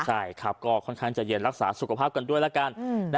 ใช่ครับก็ค่อนข้างจะเย็นรักษาสุขภาพกันด้วยแล้วกัน